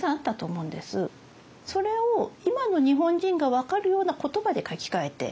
それを今の日本人が分かるような言葉で書き換えて。